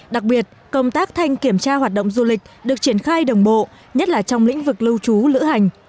đặc biệt công tác thanh kiểm tra hoạt động du lịch được triển khai đồng bộ nhất là trong lĩnh vực lưu trú lữ hành